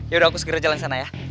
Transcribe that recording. ya udah aku segera jalan ke sana ya